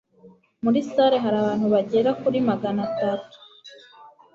Muri salle hari abantu bagera kuri magana atatu